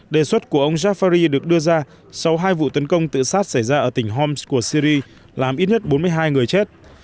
đề xuất của ông jaffari được đưa ra sau hai vụ tấn công tự sát xảy ra ở tỉnh homes của syri làm ít nhất bốn mươi hai người chết